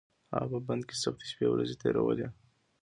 هغه په بند کې سختې شپې ورځې تېرولې.